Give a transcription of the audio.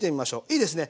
いいですね。